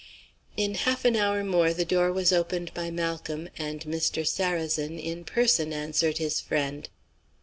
In half an hour more the door was opened by Malcolm, and Mr. Sarrazin in person answered his friend.